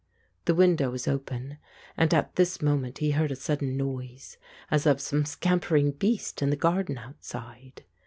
The window was open, and at this moment he heard a sudden noise as of some scampering beast in the garden outside.